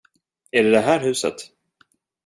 Är det det här huset?